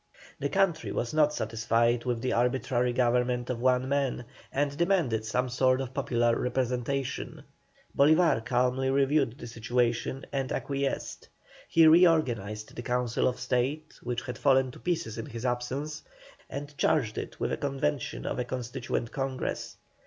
The country was not satisfied with the arbitrary government of one man, and demanded some sort of popular representation. Bolívar calmly reviewed the situation and acquiesced. He re organized the Council of State, which had fallen to pieces in his absence, and charged it with the convention of a Constituent Congress.